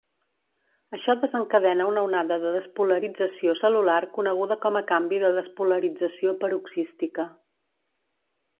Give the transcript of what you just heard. Això desencadena una onada de despolarització cel·lular coneguda com a canvi de despolarització paroxística.